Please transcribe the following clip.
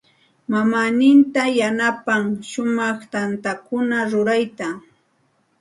Mamaaninta yanapan shumaq tantakuna rurayta.